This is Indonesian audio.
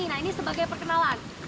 nah ini sebagai perkenalan